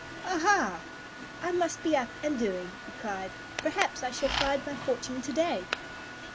"Ah, ha! I must be up and doing," he cried. "Perhaps I shall find my fortune to day."